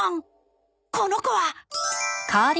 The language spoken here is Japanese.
この子は！